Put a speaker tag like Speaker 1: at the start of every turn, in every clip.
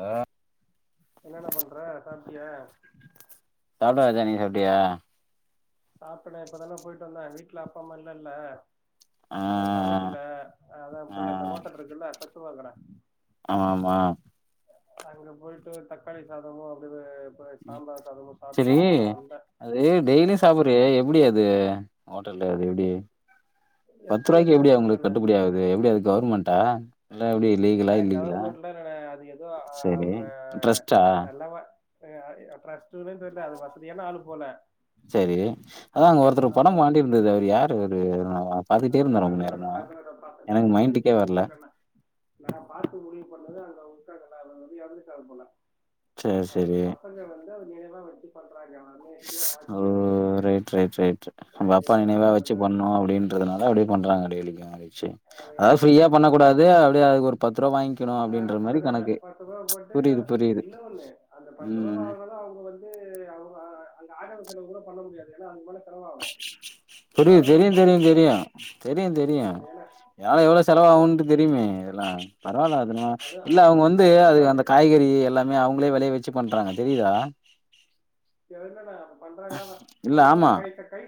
Speaker 1: ஆஹ்
Speaker 2: டியா
Speaker 1: சாப்டே ராஜா நீ சாப்ட்டியா
Speaker 2: சாப்பிட இப்பதான்டா போயிட்டு வந்தே வீட்டுல அப்பா அம்மா இல்லல்ல
Speaker 1: ஆ
Speaker 2: அதா சமைக்கல அதா
Speaker 1: ஆ
Speaker 2: போய் அந்த ஹோட்டல் இருக்குல்ல பத் பத்துருவாக்கட
Speaker 1: ஆமா ஆமா
Speaker 2: அங்க போயிட்டு தக்காளி சாதமு அப்டியே இப்ப சாம்பார் சாதமு சாப்ட்டு
Speaker 1: செரி
Speaker 2: இப்பதா வந்தே
Speaker 1: அது டெய்லி சாப்பிடுறியே எப்டி அது ஹோட்டல்ல அது எப்டி பத்து ரூவாய்க்கு
Speaker 2: அதுலா
Speaker 1: எப்டி அவங்களுக்கு
Speaker 2: புரிலண்ணே
Speaker 1: கட்டுப்படி ஆகுது எப்டி அது கவர்மெண்ட் டா இல்ல எப்டி லீகலா
Speaker 2: ஏன்னா
Speaker 1: இல்லீகலா
Speaker 2: கவர்மெண்ட்ல அது
Speaker 1: செரி
Speaker 2: அவங்க
Speaker 1: ட்ரஸ்ட்டா
Speaker 2: நல்லவ அ ட்ரஸ்டுனு தெரில அது வசதியான ஆளு போல
Speaker 1: செரி அதா அங்க ஒருத்தர்
Speaker 2: அவனு
Speaker 1: படம் மாட்டிருந்தது அவரு யா ஒரு
Speaker 2: அதா அது அத அது அத ப நா
Speaker 1: எனக்கு
Speaker 2: வந்து
Speaker 1: மைண்டுக்கே
Speaker 2: வீட்டுக்கு
Speaker 1: வரல
Speaker 2: போய்ட்டேண்ணே நா பாத்து முடிவு பண்ணது அந்த [unintelligible] எறந்துட்டாருப் போல
Speaker 1: சேர்
Speaker 2: அது அந்த
Speaker 1: செரி
Speaker 2: பசங்க [unintelligible] பார்
Speaker 1: ஓ ரைட் ரைட் ரைட் அவங் அப்பா
Speaker 2: ஓகேவா
Speaker 1: நினைவா வச்சு
Speaker 2: அதனால
Speaker 1: பண்ணோ அப்டின்னு துனால அப்டியே பண்றாங்க டெய்லிக்கு ஆள் வச்சு
Speaker 2: அவன்
Speaker 1: அதாவது ஃப்ரீயா பண்ணக்கூடாது அப்டியே அதுக்கு ஒரு பத்
Speaker 2: அஹ் அதனால பத்து ரூபா போட்டு
Speaker 1: புரியுது புரியுது
Speaker 2: இன்ன ஒண்ணு அந்த பத்து ரூபா
Speaker 1: ம்
Speaker 2: ஆனாலு அவங்க வந்து அவங்க அங்க ஆடம்பர செலவு கூட பண்ண முடியது ஏன்னா அது மேல செலவாகும் சும்மா
Speaker 1: புரியு
Speaker 2: அது
Speaker 1: தெரியு
Speaker 2: மட்டும் வாங்கி
Speaker 1: தெரியு
Speaker 2: இருக்காங்க
Speaker 1: தெரியு தெரியு தெரியு
Speaker 2: ஏன்னா
Speaker 1: ஏனா எவ்வளோ
Speaker 2: அதுவும் அது
Speaker 1: செலவாகுன்ட்டு தெரியுமே இதெல்லா [unintelligible]
Speaker 2: அது
Speaker 1: இல்ல அவங்க
Speaker 2: அந்த
Speaker 1: வந்து
Speaker 2: இடத்த
Speaker 1: அது
Speaker 2: பாரு.
Speaker 1: அந்த காய்கறி எல்லாமே அவங் [unintelligible] வெளைய வச்சு பண்றாங்க தெரியுதா
Speaker 2: [unintelligible]
Speaker 1: இல்ல
Speaker 2: அதெல்லாம்
Speaker 1: ஆமா
Speaker 2: அவங்க கை கை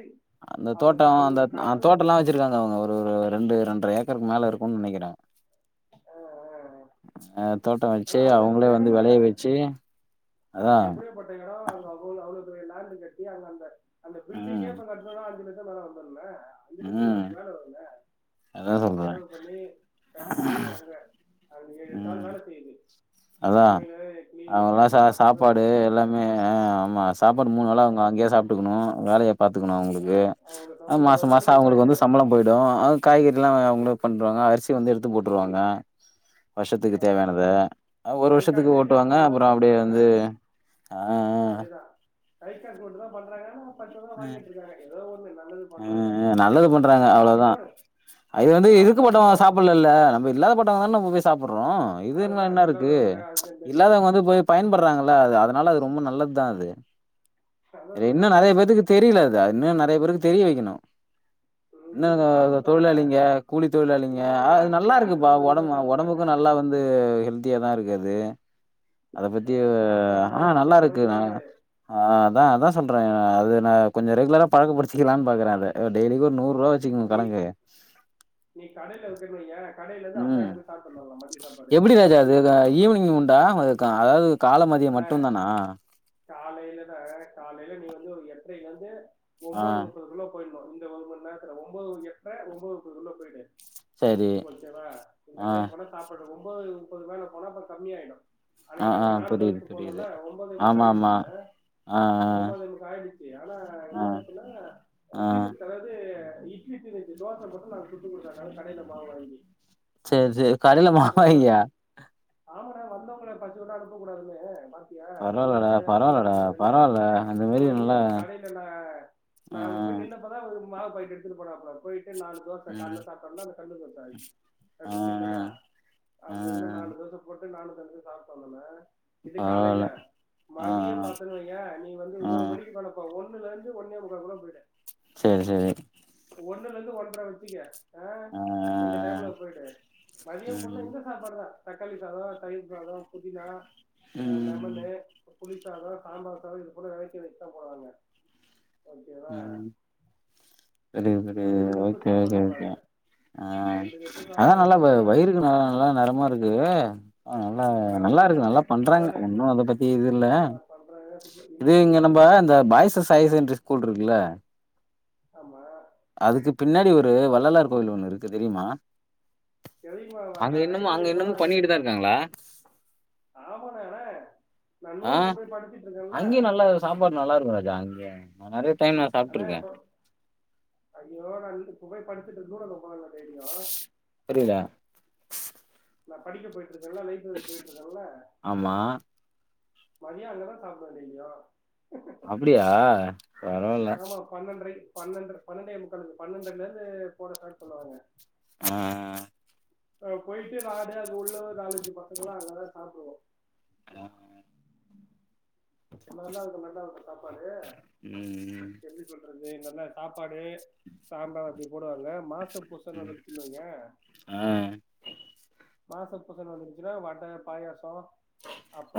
Speaker 1: அந்த தோட்டோ
Speaker 2: அவங்க
Speaker 1: அந்த
Speaker 2: அவங்களுக்கு
Speaker 1: அந்த
Speaker 2: காசும்
Speaker 1: தோட்டல்லா வச்சிருக்காங்க அவங்க ஒருஒரு ரெண்டு ரெண்ட்ர ஏக்கருக்கு மேல இருக்குன்னு நெனைக்கிறே
Speaker 2: ஆஹ்,
Speaker 1: ஆஹ் தோட்டம்
Speaker 2: ஆனா
Speaker 1: வச்சு
Speaker 2: அவ்வளவு
Speaker 1: அவங்களே
Speaker 2: பெரிய
Speaker 1: வந்து
Speaker 2: இடம்னா
Speaker 1: வெலைய வச்சு அதா
Speaker 2: அது எப்படியாப்பட்ட இடம் அங்க [unintelligible] கட்டி அங்க அந்த அந்த பில்டிங்கே
Speaker 1: ம்
Speaker 2: இப்ப கட்ணுனா அஞ்சு ல மல வந்துனும அஞ்சலச்சம்
Speaker 1: ம்
Speaker 2: அதுக மேல வந்த
Speaker 1: அதா
Speaker 2: அவ்ளே
Speaker 1: சொல்றே
Speaker 2: செலவு பண்ணி கட்டி அங்க அதுல ஏழு எட்டால் வேல செய்து
Speaker 1: அதுதா அவ்ங்கலா ச
Speaker 2: அப்படின்னு பத்து பேர்
Speaker 1: சாப்பாடு
Speaker 2: வேலை செய்றாங்க
Speaker 1: எல்லாமே ஆஹ் ஆமா சாப்பாடு மூண் வேள அவுங்க அங்யே சாப்பிட்டக்கணு வேலய பாத் துகணு
Speaker 2: அஹ்
Speaker 1: அவுங்ளுக்கு
Speaker 2: அவங்க சம்பளம்
Speaker 1: மாச
Speaker 2: ஒரு
Speaker 1: மாச
Speaker 2: நாளைக்கு எப்படி
Speaker 1: அவுங்களுக்கு
Speaker 2: ஐநூறு
Speaker 1: வந்து சம்பள போய்டு ஆ காய்கற் இதலா அவ்ங்ளோ பண்றாங்க அரிசி வந்து எடுத்து போட்டுருவாங்க வர்ஷத்துக்கு
Speaker 2: அவ்வளவுதான்.
Speaker 1: தேவயானத ஒரு
Speaker 2: கை கா
Speaker 1: வர்ஷத்துக்கு
Speaker 2: கை காசு
Speaker 1: ஓட்டுவாங்க
Speaker 2: போட்டு தான்
Speaker 1: அப்புறோ அப்டியே
Speaker 2: பண்றாங்க
Speaker 1: வந்து ஆஹ் ஆஹ்
Speaker 2: கைக்கா போட்டு தா பண்றாங்கனா பண்றாங்க
Speaker 1: உம் உஹ் நல்லது பண்றாங்க
Speaker 2: சாப்பா
Speaker 1: அவ்ளதுதா
Speaker 2: இன்னொரு
Speaker 1: இது வந்து இதுக்கு
Speaker 2: சாப்பாடு
Speaker 1: பட்டவ
Speaker 2: குவாலிட்டி
Speaker 1: சாப்புலல்ல நம்ப இல்லாத பட்டவ தான போய் சாப் புடுறோ இது என்ன
Speaker 2: அதுதான்
Speaker 1: என்னா ருக்கு
Speaker 2: இல்லாதவங்க அது இந்த
Speaker 1: இல்லாதவங்க வந்து போய் பயன்படுறாங்கள அதனால அது ரொம்ப நல்ல தா அது
Speaker 2: அதான சொல்ற
Speaker 1: தெரியி லது இன்னு நறய பேருக்கு தெரிய வக்கணு
Speaker 2: ம்,
Speaker 1: என்ன
Speaker 2: இல்ல சாப்பிட்டோம் ஆனா
Speaker 1: தொழிலாளிங்க கூலி தொழிலாளிங்க
Speaker 2: என்னன்னா
Speaker 1: அது
Speaker 2: யார்
Speaker 1: நல்லா
Speaker 2: யாருக்கு
Speaker 1: ருக்குப்பா
Speaker 2: நம்ம அதிகமா
Speaker 1: ஒடம்பு
Speaker 2: சாப்பிடுறாங்க
Speaker 1: ஒடம்புக்கு நல்லா வந்து ஹெல்த்தியா தா ருக்கு அ து அத பத்தி
Speaker 2: அஹ் சாப்பாடுனா
Speaker 1: ஆஹ்
Speaker 2: எந்த
Speaker 1: நல்லா ருக்கு
Speaker 2: குறையுமே
Speaker 1: நா
Speaker 2: கிடையாது
Speaker 1: ஆஹ் அதா அதா சொல்றே அது அ கொஞ்சோ ரெகுலரா பழக்க படிச்திக்கலா பாக்றே அத டெய்லிகு ஒரு நூர்ருவா வச்சிங்
Speaker 2: நீ
Speaker 1: கணக்கு
Speaker 2: நீ கடைல ருக்கண் வைய கடைல ருந்து அப்டியே
Speaker 1: ம்
Speaker 2: அங்க சாப்பிடட்டு வரலா மத்த சாப்பாடு
Speaker 1: எப்டி ராஜா
Speaker 2: சப்போஸ்
Speaker 1: அது
Speaker 2: வீட்டுக்கு வ போதுதா
Speaker 1: ஈவினிங் உண்டா அது க அதாவது கால மதிய
Speaker 2: அனா
Speaker 1: மட்டு தானா
Speaker 2: காலைலதா காலைல நீ து எட்ரைலந்து
Speaker 1: ஆ
Speaker 2: ஒம்போது முப்பது குள்ள போயிடுணு இந்த ஒரு மண் நேரத்ல ஒம்போது எடர ஒம்போது குள்ள போய்டு
Speaker 1: சரி
Speaker 2: ஓகேவா இந்த
Speaker 1: ஆ
Speaker 2: டைம் போனா சாப்புடவு ஒம்போது முப்பது மேல போனா அப்ப கம்மியாயிடு
Speaker 1: ஆஹ் ஆஹ் புரிது
Speaker 2: போணுண்ண ஒம்போதே முக்காஆயிடுச்சிண்ணே
Speaker 1: ஆ
Speaker 2: ஒம்போதேமுக்கா ஆயிடுச்சி ஆனா
Speaker 1: ஆ
Speaker 2: என்னாச்சினா
Speaker 1: ஆ ஆ
Speaker 2: செலது இட்லிக்கி நேத்தி தோச மட்டு நா சுட்டு குடுத்த கடைல மாவு வாங்கி
Speaker 1: சேர் சேவ் காலேல
Speaker 2: வந்தேன்
Speaker 1: வாய்யா
Speaker 2: ஆமாடா வந்தவுங்ள்ள பசியோட அனுப்பக் கூடாதுனு பா யா வந்தன
Speaker 1: பரவால்லடா
Speaker 2: கடைய வெச்சுகட
Speaker 1: பரவால்லடா
Speaker 2: கூடதுன்னு
Speaker 1: பரவால்ல அந்த மாரி
Speaker 2: போயி
Speaker 1: நல்லா
Speaker 2: கடில ந
Speaker 1: ஆ
Speaker 2: நா போய் நின்னப்பதா மாவு பாயட் எடுத்துட்டு போனப் பார் போயிட் ட்டு நால் தோச கால்ல
Speaker 1: ம்
Speaker 2: சாப்ட்டோல்ல் அந்த கல்லு தோச
Speaker 1: ஆ
Speaker 2: அப்டி சின்னதா
Speaker 1: ஆ ஆ
Speaker 2: அந்த இதுல நாலு தோச போட் ப்டே தம்பியு சாப்ட்டு வந்தோன இது காலையில
Speaker 1: பரவால்ல ஆ
Speaker 2: மதியோ
Speaker 1: ஆ
Speaker 2: பாத்தோன்வய்யே நீ வந்து
Speaker 1: ஆ
Speaker 2: ஒம்போது மணிக்கு மேல இப்ப ஒன் மூணுலேந்து ஒன்னே முக்காக்குல்ல பொய்ட்டே
Speaker 1: சேர் சேரி
Speaker 2: ஒன்னுலேந்து ஒன்ற வெச்சிக்க ஆஹ்
Speaker 1: ஆ
Speaker 2: இந்த டைமுல்ல போயிட்டு மதிய புல்ல
Speaker 1: ம்
Speaker 2: இந்த சாப்பாடுதா தக்காளி சாதோ தயிர் சாதோ புதினா அ
Speaker 1: ம்
Speaker 2: லெமனு புளி சாதோ சாம்பார் சாதோ இது போல வெரட்டி ரைஸ்தா போட்றாங்க ஓக்கேவா
Speaker 1: செரி செரி ஓக்கே ஓக்கே ஓகே அ
Speaker 2: ரெண்டு கப்பு
Speaker 1: அதா
Speaker 2: சாப்பாடு
Speaker 1: நல்லா வ
Speaker 2: வைப்பாங்க
Speaker 1: வயிறுக்கு ந நல்லா நரமாருக்கு அ அ அல்லா
Speaker 2: இப்ப நான் ரெண்டு
Speaker 1: நல்லாருக்கு
Speaker 2: சாப்பாடு
Speaker 1: நல்லா பண்றாங்க
Speaker 2: அதானே
Speaker 1: ஒன்னு அத பத்தி இதுல்ல
Speaker 2: நல்லா பண்றாங்க
Speaker 1: இது இங்க
Speaker 2: இன்னொன்னு
Speaker 1: நம்ப அந்த பாய்ஸு ஹை செகன்ட்ரிஸ் கூல்ருக்குல்ல
Speaker 2: ஆமா
Speaker 1: அதுக்கு பின்னாடி ஒரு து வள்ளலார் கோயிலு ஒண்ணு இருக்கு தெரியுமா
Speaker 2: தெரியுமாவா
Speaker 1: அங்க
Speaker 2: நா
Speaker 1: இன்னமும்
Speaker 2: லைபெரிக் போனா
Speaker 1: இன்னமும்
Speaker 2: அங்க
Speaker 1: பண்ணிக்கிட்டு தான் இருக்காங்களா?
Speaker 2: ஆமானெ அனே நா
Speaker 1: ஆ
Speaker 2: நூலகோ போய் படிச்சுட்ருந்தேல
Speaker 1: அங்கேயும் நா நெறை
Speaker 2: அனே சொல் ஐயோ நா வீட்டுக் [unintelligible] படுத்துட்டு நூலல்ல ஒக்காருவே
Speaker 1: புரியலா
Speaker 2: நா படிக்க போயிட் இதுக் நல்லா லைஃப் இருக் பேயிட்ருக்கல்ல
Speaker 1: ஆமா.
Speaker 2: மதியோ அங்கதா சாப்டுவே டெய்லியு
Speaker 1: அப்புடியா
Speaker 2: ஆமா பன்னெண்ட்ரை பன்னெண்ர பன்னெண்டே முக்காலுக்கு பன்னெண்டர்லேந்து போட சாப் சொல்லுவாங்க
Speaker 1: ஆஹ்
Speaker 2: போயிட்டு நாடு அது உள்ள ஒரு ஆலு. தி பாத்துக்கலா அதனால சாப்புடுவோ.
Speaker 1: ஆ.
Speaker 2: முன்ன தெல்லா இந்த மாரி தா இருக்கு சாப்பாடு
Speaker 1: ம்,
Speaker 2: கேள்வி பட்டுருக். அது நல்லா சாப். ப்பாடு சாம்பார். டி போடுவால.
Speaker 1: ம் ஆ.
Speaker 2: மாச பூசோன் வந்துருச்சுன்னா வட பாயாசோ.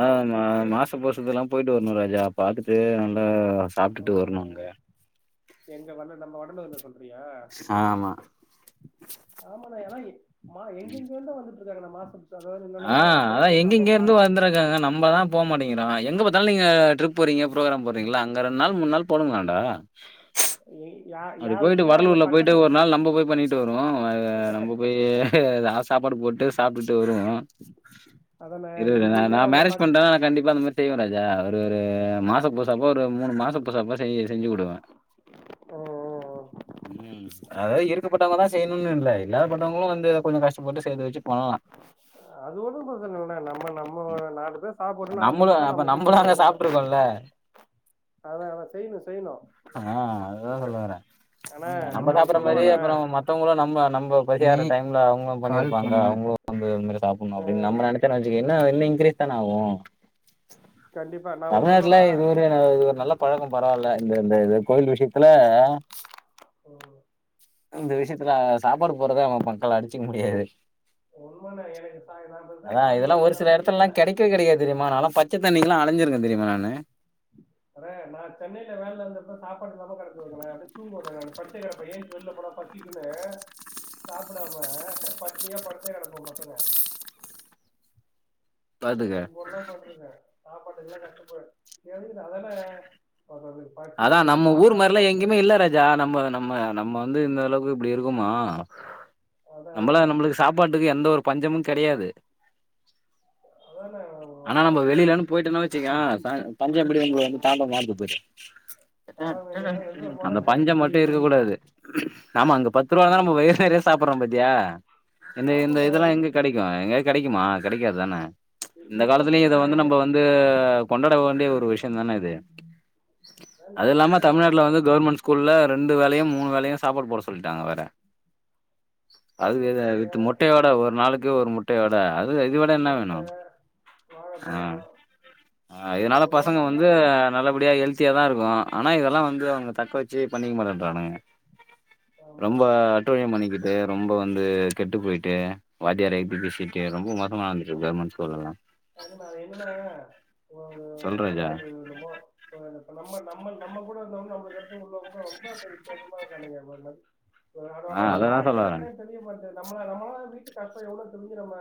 Speaker 1: ஆமா மாச [unintelligible] எல்லா போயிட்டு வரணு ராஜா. பாத்துட்டு அந்த. சாப்டுட்டு வரணுங்க.
Speaker 2: அஹ் எங்க வந்து நம்ம ஒடனே. [unintelligible] சொல்றியா
Speaker 1: ஆமா.
Speaker 2: ஆமானா ஏனா மா எங்கெங்கேயோ இருந்தோ வந்துரு. [unintelligible] மாசம்.
Speaker 1: ஆ அதா எங்கெங்கேயோ இருந்து வந்துருக்காங்க நம்ப தா. போ மாட்டங்கிறா எங்க பத்தாலு நீங்க ட்ரிப் போறீங்க ப்ரோக்ராம் போறீங்களா அங்க ரெண்டு நாள் மூண் நாள் போடுங்களேன்டா.
Speaker 2: யா-
Speaker 1: அப்டி போயிட்டு
Speaker 2: யாருக்குமே அவங்க
Speaker 1: வடலூர்ல போயிட்டு
Speaker 2: பக்கத்துல
Speaker 1: ஒரு நாள் நம்ம போய் பண்ணிட்டு வருவோ ஆ நம்ம போய் ஆஸ். சாப்பாடு போட்டு சாப்ட்டு. டு வருவே
Speaker 2: அதான
Speaker 1: இரு நா
Speaker 2: எங்கேயுமே
Speaker 1: நா
Speaker 2: அவங்க
Speaker 1: மேரேஜ்
Speaker 2: பாக்க
Speaker 1: பண்டனா கண்டிப்பா அந்த மாரி. செய்வ ராஜா அவரு ஒரு மாச பூசப்போ ஒரு மூணு மாசோ பூசப்ப செய் செஞ்சு குடுவ.
Speaker 2: ம்
Speaker 1: ம் அதாவது இருக். இருக்கப் பட்டவங்க தா செய்யனுனு இல்ல இல்லாத பட்டவங்களும் வந்து கொஞ்சோ கஷ்டப்பட்டு சேத்து வச்சு. பண்ணலா.
Speaker 2: அது ஒன்னு பிரச்சன இல்லன நம்ம நம்ம நாட்டுதா சாப்புடுன்னு
Speaker 1: நம்மளு
Speaker 2: ஆசப்பட்டா
Speaker 1: அப்ப
Speaker 2: நம்ம போய் செய்ய
Speaker 1: நம்மளு அங்க
Speaker 2: வேண்டியதா
Speaker 1: சாப்ட்டுருக்கோல்ல
Speaker 2: அதா அதா செய்யணு செய்யணு.
Speaker 1: என்ன சொல்ல வர
Speaker 2: ஆனா
Speaker 1: நம்ம
Speaker 2: நா ஒன்னு
Speaker 1: சாப்பற மாரியே
Speaker 2: சொல்லவாண்ணே
Speaker 1: அப்புறோ மத்தவங்களு நம்ம நம்ப பசி. மதியான டைம்ல அவங். க பண்ணிருப்பாங்க அவங்கள வந்து அது சாப்புனு அப்படின்
Speaker 2: ம்
Speaker 1: நம்ம நெனச்சன் வச்சுக்கயே. இன்னு இன்க்ரீஸ்தான ஆவு.
Speaker 2: கண்டிப்பா நா ஒன்னு
Speaker 1: தமிழ்நாட்டுல
Speaker 2: சொல்லவா
Speaker 1: இது ஒரு இது ஒரு நல்ல பழக்கோ பரவால்ல இந்த. இந்த இது கோவில் விஷியோ. த்துல.
Speaker 2: ஓஹோ.
Speaker 1: அந்த விஷ்யத்துல சாப்பாடு போறத நம் [unintelligible] அடிச்சுக்க முடியாது
Speaker 2: உண்மண்ணே எனக்கு சா நா பெருசா
Speaker 1: அதா இதெல்லா
Speaker 2: சாமியெல்லா
Speaker 1: ஒரு சில
Speaker 2: நம்பிக்க இல்ல
Speaker 1: எடத்துல்லா கெடைக்கே கெடைக்காது தெரியுமா நால்லா ப ச்ச தண்ணிக்லா அலஞ்சிருக்கே தெரியுமா நானு
Speaker 2: [unintelligible] நா சென்னைல வேலிலருந்தப்ப சாப்பாட்டு ப [unintelligible] [unintelligible] ஏன்ச்சு வெளில போனா பசிக்குன்னு சாப்புடாம பட்னியா படுத்தே கெடப்போ பசங்க
Speaker 1: பாத்துக்க
Speaker 2: அது போல்ல பண்ட்ருக்கே சாப்பாட்டுக்லா கஷ்டப்பட் [unintelligible] அதானே
Speaker 1: அதா நம்ம ஊர் மார்லா எங்கெமே இல்ல ராஜா நம்ம நம்ம நம்ம வந்து இந்த அளவுக்கு இப்டி இருக்குமா
Speaker 2: அதான்
Speaker 1: நம்பளா
Speaker 2: அதான்
Speaker 1: நம்பளுக்கு சாப்பாட்டுக்கு எந்த ஒரு பஞ்சமு கெடயாது
Speaker 2: அதானே ம-
Speaker 1: ஆனா நம்ப
Speaker 2: ம- அதான்
Speaker 1: வெளிலனு
Speaker 2: உங்க-
Speaker 1: போயிட்டொனு வச்சுக்கே த தஞ்ச புடி உங்கள வந்து தாண்டவோ ஆடுது பரு
Speaker 2: சாக வேண்டியதான் வெளில
Speaker 1: அந்த
Speaker 2: போனேண்ணே
Speaker 1: பஞ்சம் மட்டு இருக்க
Speaker 2: கஷ்ட-
Speaker 1: கூடாது ஆமா அங்க பத்து ரூபாந்தா நம்ம
Speaker 2: ம்.
Speaker 1: வயிர் நெறைய சாப்புட்றோ பாத்தியா இந்த இந்த
Speaker 2: ஆமாண்ணே
Speaker 1: இதெல்லா எங்க
Speaker 2: இன்னும்
Speaker 1: கெடைக்கூ எங்கை கெடைக்குமா கெடைக்காது தானே
Speaker 2: இ-
Speaker 1: இந்த
Speaker 2: இது
Speaker 1: காலத்துலயு
Speaker 2: மட்டும்
Speaker 1: இத
Speaker 2: இல்லைண்ணே
Speaker 1: வந்து நம்ப வந்து கொண்டாட வண்டிய ஒரு
Speaker 2: ம்,
Speaker 1: விஷ்யந்தான இது
Speaker 2: அதான் நல்ல
Speaker 1: அதில்லாம
Speaker 2: விஷயம்ண்ணே
Speaker 1: தமிழ்நாட்ல
Speaker 2: அம்மா
Speaker 1: வந்து கவுர்மெண்ட் ஸ்கூல்ல ரெண்டு வேலையு மூணு வேலையு சாப்பாடு போட சொல்ட்டாங்க வேற
Speaker 2: போட
Speaker 1: அது வெ வ
Speaker 2: சொல்லிட்டாங்க
Speaker 1: வித் முட்டையோட
Speaker 2: மு-
Speaker 1: ஒரு நாளுக்கு ஒரு முட்டையோட அது இது விட என்ன வேணு
Speaker 2: முட்டை
Speaker 1: ஆ
Speaker 2: வாழைப்பழம்
Speaker 1: ஆ இதனால
Speaker 2: எவ்வளோ
Speaker 1: பசங்க வந்து
Speaker 2: பண்றாங்கண்ணே
Speaker 1: நல்லபடியா எல் தியா தா இருக்கூ ஆனா இதெல்லா வந்து அவுங்க தக்க வெச்சு பண்ணிக மாட்டின்றானுங்க
Speaker 2: ஆமா
Speaker 1: ரொம்ப அட்டூழியம் பண்ணிக்கிட்டு ரொம்ப வந்து கெட்டு போயிட்டு வாத்தியாரே இப்டி பேசிட்டு ரொம்ப மோசமாருந்துட்ருக் கவர்மெண்ட் ஸ்கூலல்லா
Speaker 2: அ என்னன்னா அது என்னன்னா [unintelligible]
Speaker 1: சொல் ராஜா.
Speaker 2: ப நம்ம நம்மள் நம்ம கூடருந்தவுங்க நம்மளுக்கடுத்து உள்ளவுங்க ரொம்ப பேர் வித்தியாசமாருக்கானுங்க [unintelligible] ப்ப [unintelligible]
Speaker 1: ஆ
Speaker 2: அவுங்ளுக்
Speaker 1: அததான் சொல்ல
Speaker 2: வாழ்க்கனா
Speaker 1: வரேன்.
Speaker 2: என்னன் தெரிய மாட்டே நம்ம நம்மளா வீட்டு கஷ்டொ எவ்ளோ தெருஞ்சு நம்ம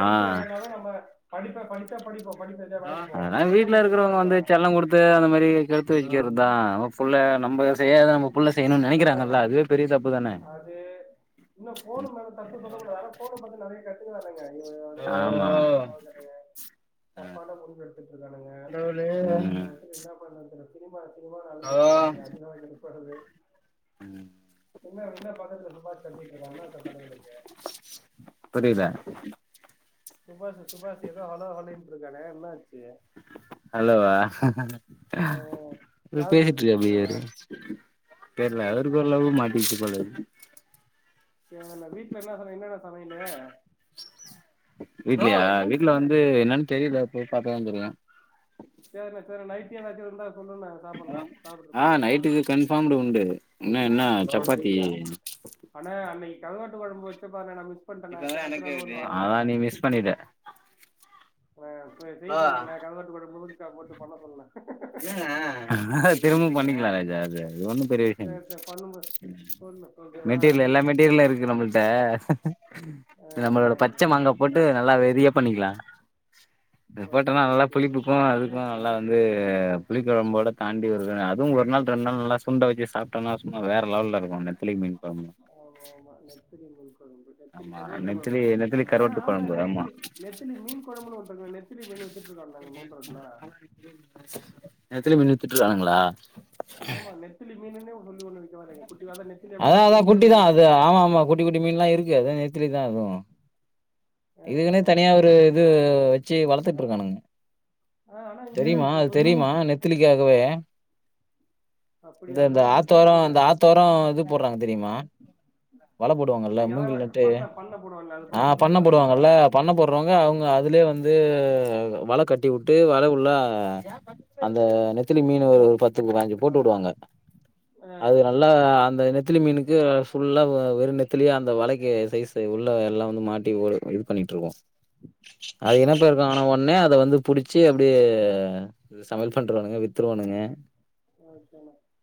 Speaker 1: ஆ
Speaker 2: ஏறலனாலு நம்ம படிப்ப படிச்சா படிப்போ
Speaker 1: ஆ அததா வீட்ல இருக்குறவுங்க வந்து செல்லங்குடுத்து அந்த மாரி கெடுத்து வக்கிறத்தா நம்ப ஃபுள்ள நம்ப செய்யாத நம்ம புள்ள செய்யணுன் நெனக்கிறாங்கல்ல அதுவே பெரிய தப்பு தான
Speaker 2: அது இன்னு ஃபோனு மேல தப்பு சொல்ல கூடாது அதா ஃபோன பத்தி நெறய க [unintelligible] [unintelligible]
Speaker 1: ஆமா
Speaker 2: ரொம்ப தப்பா இருக்கானுங்க
Speaker 1: ஆ
Speaker 2: தப்பான முடிவு எடுத்துட்ருக்கானுங்க எங்க
Speaker 1: ம்
Speaker 2: [unintelligible] என்ன பண்ண [unintelligible] [unintelligible] அழுதிட்ருக்கானுக அதனால. படுது
Speaker 1: ம்.
Speaker 2: என்ன என்ன பத்தத்துல சுபாஷ் கண்டிட்டு இருக்காங்க. [unintelligible]
Speaker 1: புரியல.
Speaker 2: சுபாஷ். சுபாஷ் ஏதோ ஹலோ ஹலின் சொல்லு [unintelligible] என்ன ஆச்சு.
Speaker 1: அலோவா.
Speaker 2: அஹ யாருகூட
Speaker 1: பேசிட்ருக்காப்டி
Speaker 2: பேசிட்டு இருக்கா
Speaker 1: இவரு தெர்ல
Speaker 2: ஓகே
Speaker 1: அவருக்கு ஒரு
Speaker 2: ஓகே
Speaker 1: லவ் மாட்டிக்கிச்சு
Speaker 2: ஓகே.
Speaker 1: போல
Speaker 2: சேரினா வீட்டுல என்ன என்னண்ண சமையலு.
Speaker 1: வீட்லயா வீட்ல வந் து என்னன்னு தெரியல போய் பாத்தாதா தெரியூ
Speaker 2: சேரினா சேரி நைட்டி எதாச்சு இருந்தா. சொல்லுண்ணே சாப்புட்லா
Speaker 1: ஆஹ்
Speaker 2: சாப்புட்றதுக்கு
Speaker 1: நைட்டுக்கு கன்ஃபார்ம்டு உண்டு இன்ன என்ன
Speaker 2: எதை
Speaker 1: சப்பாத்தி
Speaker 2: முட்டை கொழம்பு வச்சு பாருண்ண.
Speaker 1: இப்பதான் எனக்கு இருக்கு அதான் நீ மிஸ் பண்ணிட்ட.
Speaker 2: ஆஹ செய்ய சொல்லுண்ண கருவாட்டு குழம்பு. [unintelligible] போட்டு பண்ண சொல்லுண்ண
Speaker 1: திரும்பவு பண்ணிக்கலா ராஜா அ அது ஒண்ணூ. பெரிய விஷயம்.
Speaker 2: சரி சரி பண்ணும்போது சொல்லு ஓகேவா
Speaker 1: மெட்டீரியல் எல்லா மெட்டீரியலும் இருக்கு நம்மள்ட்ட
Speaker 2: ஆ,
Speaker 1: நம்மளோட பச்ச மாங்கா போட்டு நல்லா வெறியா பண்ணிக்கலாம். இது
Speaker 2: ஓகே
Speaker 1: போட்டோனா நல்லா
Speaker 2: ஓகே ஓகே
Speaker 1: புளிப்புக்கும் அதுக்கும் நல்லா வந்து புளிக்கொழம்போட தாண்டி ஒரு அதுவூ ஒரு நாள் ரெண்டு நாள் நல்லா சுண்ட வெச்சு சாப்பிட்டம்னா சும்மா வேற ளெவல்ல இருக்கூ.
Speaker 2: ஆமாம்மா நெத்திலி மீன். நெத்திலி
Speaker 1: ஆமா
Speaker 2: கருவாட்டு
Speaker 1: நெத்திலி
Speaker 2: குழம்பு
Speaker 1: நெத்திலி
Speaker 2: ஆனா
Speaker 1: கருவாட்டு
Speaker 2: ஆமனா
Speaker 1: கொழம்பு ஆமா
Speaker 2: நெத்திலி நெத்திலி மீன் குழம்புன்னு ஒருத்தர் நெத்திலி மீன் வித்துட்டுருக்கானுக மீன்
Speaker 1: நெத்திலி மீன் வித்துட்ருக்கானுங்களா
Speaker 2: [unintelligible] ஆமா நெத்திலி மீனுனே சொல்லி ஒண்ணு விக்க வர்றாங்க.
Speaker 1: அதா அதா குட்டிதா அது ஆமா ஆமா குட்டி குட்டி மீன் எல்லா இருக்கூ அதே நெத்திலி இரு இதாகூ
Speaker 2: ஆ, ஆ,
Speaker 1: இதுக்குனே தனியா
Speaker 2: ஆ.
Speaker 1: ஒரு இது வெச். வெச்சு வளத்துட்டு இருக்கானுங்க.
Speaker 2: ஆ ஆனா இங்க
Speaker 1: தெரியுமா
Speaker 2: இப்ப
Speaker 1: அது
Speaker 2: புதுசா
Speaker 1: தெரியுமா
Speaker 2: ஓட்டல
Speaker 1: நெத்திலிக்காகவே.
Speaker 2: அப்படி
Speaker 1: இந்த அந்த
Speaker 2: அதனால
Speaker 1: இந்த
Speaker 2: பிசினஸ்
Speaker 1: ஆத்தோரோ
Speaker 2: புரியல
Speaker 1: இந்த ஆத்தோரோ இது. போடுறாங்க தெரியுமா வலை போடுவாங்கல்ல
Speaker 2: இது
Speaker 1: மூங்கில்
Speaker 2: எவன்
Speaker 1: நட்டு
Speaker 2: பண்ண பண்ண போடுவான்ல அது போல
Speaker 1: ஆஹ
Speaker 2: போட்டு
Speaker 1: பண்ண
Speaker 2: உடைக்குவானுங்களா
Speaker 1: போடுவாங்கல்ல பண்ண போடுறவங்க அவுங்க
Speaker 2: ஆ
Speaker 1: அதுலயே வந்து வல கட்டி விட்டு வலவுள்ள அந்த நெத். நெத்திலி மீன ஒரு பத்துக்கு வாங்கி போட்டு விடுவாங்க. அது நல்லா அந்த [unintelligible] மீனுக்கு ஃபுல்லா வெறு நெத்திலேயே அந் ந்த வலைக்கி சைஸ் உள்ள எல்லா வந்து மாட்டி இது பண்ணிட் ருக்கு அது என்ன
Speaker 2: சரிண்ணே
Speaker 1: போயிருக்ககனா
Speaker 2: சரிண்ணே
Speaker 1: உட்னே அத வந்து புடிச்சு அப்படியே சமையல் பண்றவானுங்க வி்த்றுவானுங்க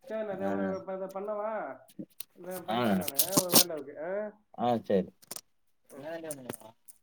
Speaker 2: செர்ண்ண இத ப்பா பண்ணவா இதோ
Speaker 1: ஆ,
Speaker 2: பண்றே நானூ ஒரு வேலருக்கு ஆ
Speaker 1: ஆ சரி [unintelligible]